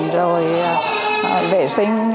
rồi vệ sinh